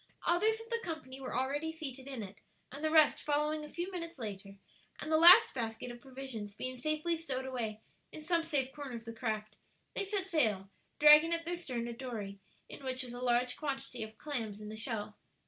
Others of the company were already seated in it, and the rest following a few minutes later, and the last basket of provisions being safely stowed away in some safe corner of the craft, they set sail, dragging at their stern a dory in which was a large quantity of clams in the shell.